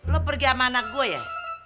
lo pergi sama anak gue ya